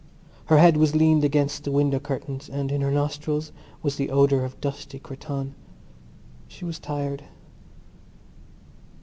Her head was leaned against the window curtains and in her nostrils was the odour of dusty cretonne. She was tired.